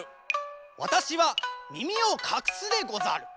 わたしはみみをかくすでござる。